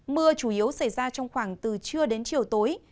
mưa chủ yếu xảy ra trong khoảng từ trưa đến chiều tối